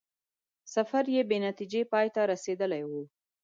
سفر یې بې نتیجې پای ته رسېدلی وو.